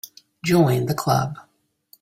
Join the Club.